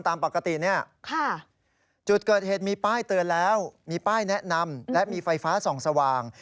ตามปกติเนี่ยจุดเกิดเหตุมีป้ายเตือนแล้วมีป้ายแนะนำและมีไฟฟ้าส่องสว่าง